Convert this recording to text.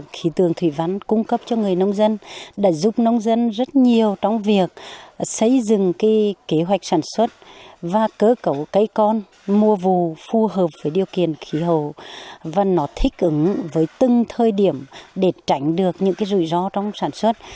khí tượng thủy văn cung cấp cho người nông dân đã giúp nông dân rất nhiều trong việc xây dựng cái kế hoạch sản xuất và cơ cấu cây con mùa vụ phù hợp với điều kiện khí hậu và nó thích ứng với từng thời điểm để tránh được những rủi ro trong sản xuất